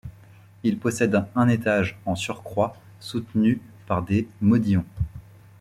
Il possède un étage en surcroît soutenu par des modillons.